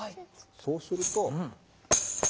そうすると。